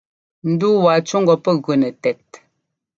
Ndu waa cú ŋgɔ pɛ́ gʉ nɛ tɛt.